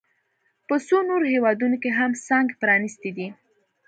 په څو نورو هېوادونو کې هم څانګې پرانیستي دي